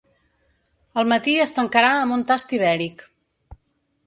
El matí es tancarà amb un tast ibèric.